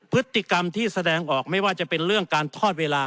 พฤติกรรมที่แสดงออกไม่ว่าจะเป็นเรื่องการทอดเวลา